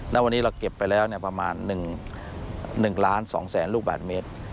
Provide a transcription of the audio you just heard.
ณวันนี้เราเก็บไปแล้วประมาณ๑ล้าน๒แสนลูกบาทเมตร